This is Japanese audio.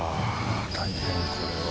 大変これは。